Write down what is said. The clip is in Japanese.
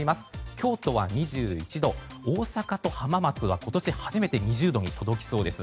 京都は２１度大阪と浜松は今年初めて２０度に届きそうです。